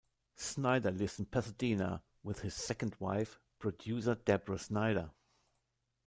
Snyder lives in Pasadena with his second wife, producer Deborah Snyder.